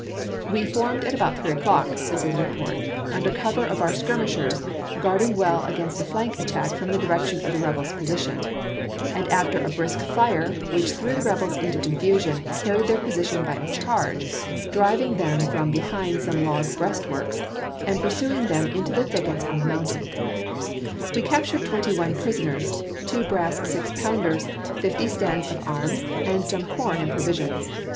" We formed at about three o'clock," says his report, " under cover of our skirmishers, guard ing well against a flank attack from the direction of the rebels' position, and after a brisk fire, which threw the rebels into confusion, carried their posi tion by a charge, driving them from behind some log breastworks, and pursued them into the thickets on the mountain. We captured twenty one prison ers, two brass 6 pounders, fifty stands of arms, and Kosecrans some corn and provisions.